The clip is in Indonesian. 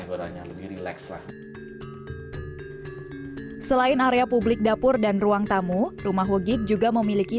suaranya lebih rileks lah selain area publik dapur dan ruang tamu rumah whogik juga memiliki